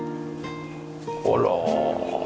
あら。